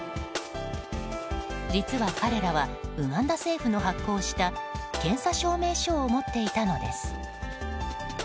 実は、彼らはウガンダ政府の発行した検査証明書を持っていたのです。